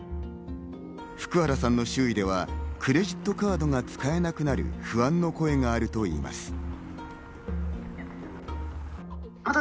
福原さんの周囲ではクレジットカードが使えなくなる不安の声があるといいます。